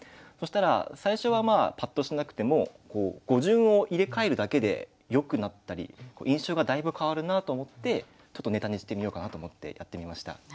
そしたら最初はパッとしなくても語順を入れ替えるだけでよくなったり印象がだいぶ変わるなと思ってちょっとネタにしてみようかなと思ってやってみました。